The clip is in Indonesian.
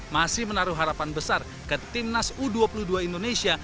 masih menaruh harapan besar ke timnas u dua puluh dua indonesia